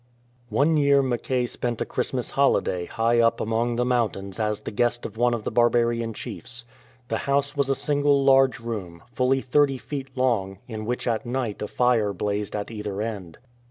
One year Mackay spent a Christmas holiday high up among the mountains as the guest of one of the barbarian chiefs. The house was a single large room, fully thirty feet long, in which at night a fire blazed at either end.